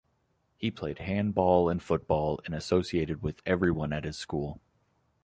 He played handball and football and associated with everyone at his school.